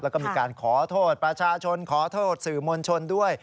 แล้วก็มีการขอโทษประชาชนขอโทษสื่อมวลชนด้วย